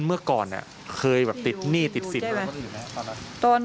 เมื่อก่อนเคยติดหนี้ติดสิทธิ์